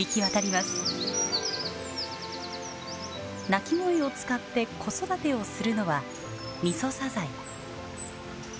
鳴き声を使って子育てをするのはミソサザイ。